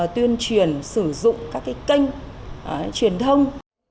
tuyên truyền sử dụng các cái kênh truyền thông